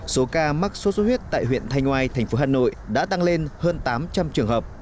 số ca mắc sốt xuất huyết tại huyện thanh oai thành phố hà nội đã tăng lên hơn tám trăm linh trường hợp